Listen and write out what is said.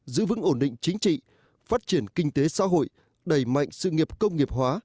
giữ vững ổn định chính trị phát triển kinh tế xã hội đẩy mạnh sự nghiệp công nghiệp hóa